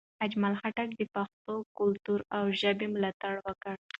اجمل خټک د پښتنو کلتور او ژبې ملاتړ وکړ.